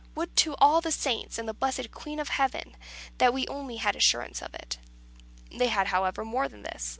Would to all the Saints, and the blessed Queen of Heaven, that we only had assurance of it!" They had, however, more than this.